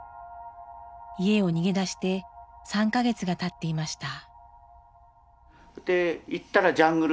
家を逃げ出して３か月がたっていました。